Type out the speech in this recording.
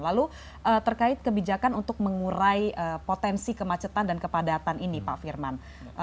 lalu terkait kebijakan untuk mengurai potensi kemacetan dan kepadatan ini pak firman